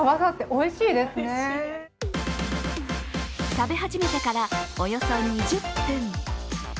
食べ始めてからおよそ２０分。